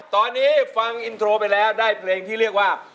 ตอนนี้ฟังอินโทรไปแล้วได้เพลงที่เรียกว่า